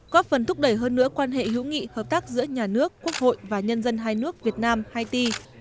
góp phần thúc đẩy hơn nữa quan hệ hữu nghị hợp tác giữa nhà nước quốc hội và nhân dân hai nước việt nam haiti